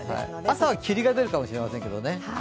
朝は霧が出るかもしれませんがね。